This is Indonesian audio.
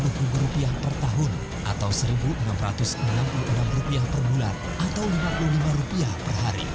rp dua per tahun atau rp satu enam ratus enam puluh enam per bulan atau rp lima puluh lima per hari